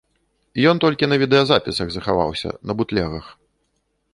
Ён толькі на відэазапісах захаваўся, на бутлегах.